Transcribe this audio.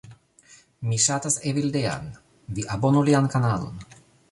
Mi ŝatas Evildean. Vi abonu lian kanalon.